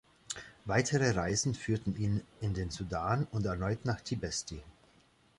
Weitere Reisen führten ihn in den Sudan und erneut nach Tibesti.